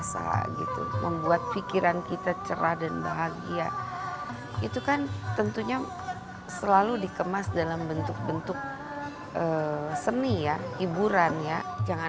sampai jumpa di video selanjutnya